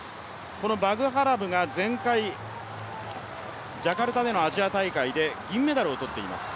このバグハラブが前回、ジャカルタでのアジア大会で銀メダルを取っています。